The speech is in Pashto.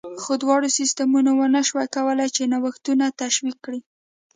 خو دواړو سیستمونو ونه شوای کولای چې نوښتونه تشویق کړي